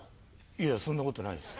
いやそんなことないです。